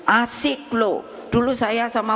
asik loh dulu saya sama